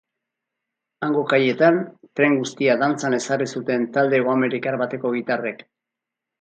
Hango kaietan, tren guztia dantzan ezarri zuten talde hegoamerikar bateko gitarrek.